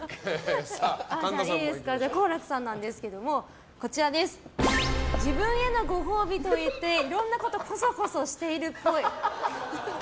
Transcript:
好楽さんなんですけれども自分へのご褒美と言っていろんなことこそこそしているっぽい。